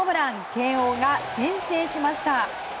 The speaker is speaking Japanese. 慶応が先制しました。